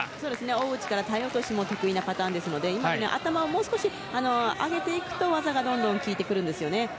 大内から体落としも得意なパターンですので今、頭をもう少し上げていくと技がどんどん効いてくるんですよね。